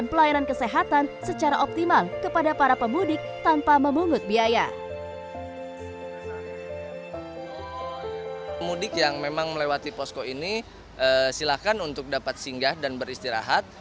pemudik yang memang melewati posko ini silakan untuk dapat singgah dan beristirahat